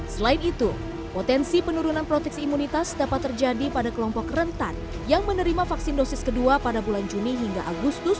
selain itu potensi penurunan proteksi imunitas dapat terjadi pada kelompok rentan yang menerima vaksin dosis kedua pada bulan juni hingga agustus dua ribu dua puluh